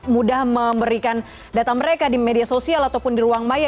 mudah memberikan data mereka di media sosial ataupun di ruang maya